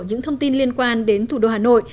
những thông tin liên quan đến thủ đô hà nội